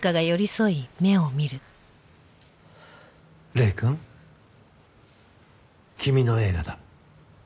礼くん君の映画だ。